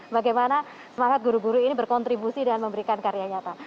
bagaimana semangat guru guru ini berkontribusi dan memberikan karya nyata